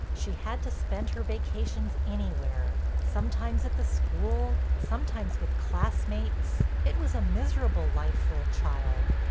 She had to spend her vacations anywhere—sometimes at the school, sometimes with classmates. It was a miserable life for a child.